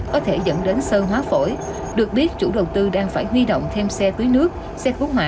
có thể dẫn đến sơ hóa phổi được biết chủ đầu tư đang phải ghi động thêm xe túi nước xe khuất hỏa